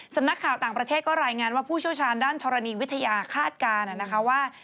สำนักข่าวต่างประเทศก็รายงานว่าผู้เชี่ยวชาญด้านธรณีวิทยาคาดการณ์นะคะว่า